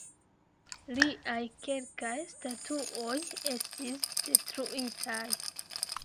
Liaj kelkaj statuoj estis detruitaj.